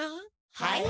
はい？